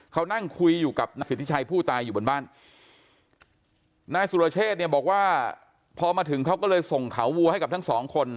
เขานั่งคุยอยู่กับสิทธิชัยผู้ตายอยู่บนบ้านนายสุรเชษเนี่ยบอกว่าพอมาถึงเขาก็เลยส่งเขาวัวให้กับทั้งสองคน